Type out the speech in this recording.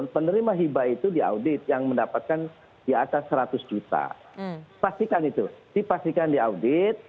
menerima hibah itu di audit yang mendapatkan di atas seratus juta pastikan itu dipastikan di audit